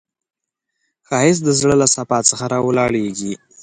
ښایست د زړه له صفا څخه راولاړیږي